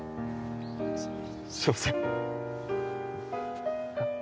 すいません。